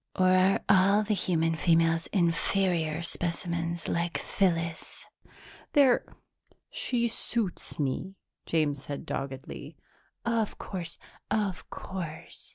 Or are all the human females inferior specimens like Phyllis?" "They're she suits me," James said doggedly. "Of course, of course.